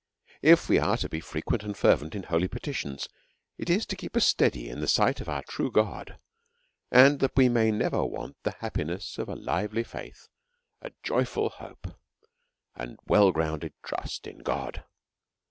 If we are to be frequent and fervent in holy petitions, it is to keep us steady in the sight of our true good, and that we may never want the happiness of a lively faith, a joy ful hope, and well grounded trust in God.